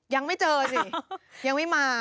ยังไม่เจอสิยังไม่มา